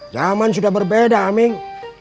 zaman sudah berbeda aming